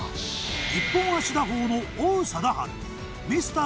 一本足打法の王貞治ミスター